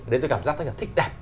đấy tôi cảm giác tác giả thích đẹp